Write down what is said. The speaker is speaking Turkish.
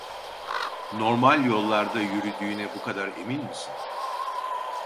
Normal yollarda yürüdüğüne bu kadar emin misin?